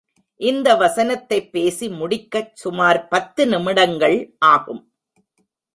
இந்த வசனத்தைப் பேசி முடிக்கச் சுமார் பத்து நிமிடங்கள் ஆகும்.